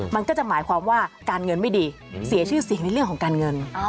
มันก็จะหมายความว่าการเงินไม่ดีเสียชื่อเสียงในเรื่องของการเงิน